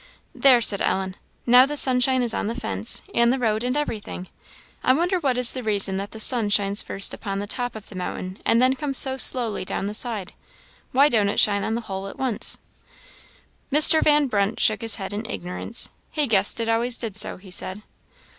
"There," said Ellen, "now the sunshine is on the fence, and the road, and everything. I wonder what is the reason that the sun shines first upon the top of the mountain, and then comes so slowly down the side; why don't it shine on the whole at once?" Mr. Van Brunt shook his head in ignorance. "He guessed it always did so," he said.